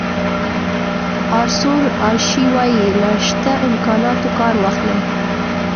آرثور اشي وایي له شته امکاناتو کار واخلئ.